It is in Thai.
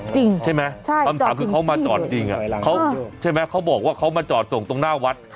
จริงใช่ไหมคำถามคือเขามาจอดจริงใช่ไหมเขาบอกว่าเขามาจอดส่งตรงหน้าวัด